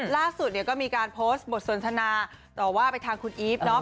ล่าสุดเนี่ยก็มีการโพสต์บทสนทนาต่อว่าไปทางคุณอีฟเนาะ